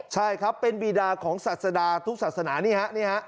ใช่ครับเป็นบีดาของศาสดาทุกศาสนานี่ฮะ